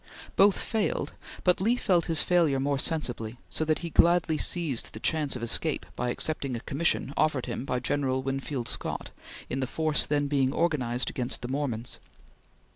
Both failed, but Lee felt his failure more sensibly, so that he gladly seized the chance of escape by accepting a commission offered him by General Winfield Scott in the force then being organized against the Mormons.